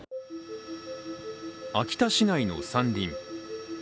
秋田市内の山林。